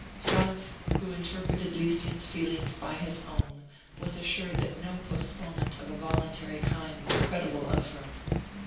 Franz, who interpreted Lieschen's feelings by his own, was assured that no postponement of a voluntary kind was credible of her.